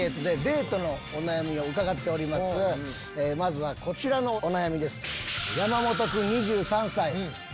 まずはこちらのお悩みです。